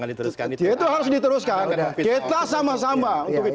itu harus diteruskan kita sama sama